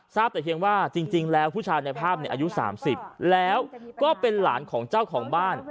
แต่เพียงว่าจริงแล้วผู้ชายในภาพอายุ๓๐แล้วก็เป็นหลานของเจ้าของบ้าน